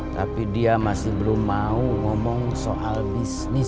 tapi dia masih belum mau ngomong soal bisnis